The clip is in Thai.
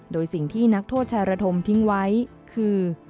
โดยสิ่งที่นักโทษชายระธมทิ้งไว้คือ